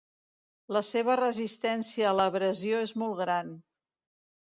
La seva resistència a l'abrasió és molt gran.